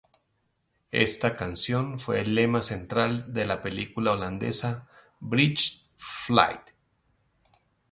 Esta canción fue el tema central de la película holandesa "Bride Flight".